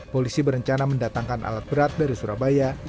polisi berencana mendatangkan alat berat dari surabaya